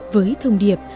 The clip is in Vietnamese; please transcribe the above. với thông điệp